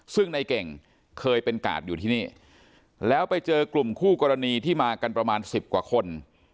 ซึ่งในเก่งเคยเป็นกาดอยู่ที่นี่แล้วไปเจอกลุ่มคู่กรณีที่มากันประมาณสิบกว่าคน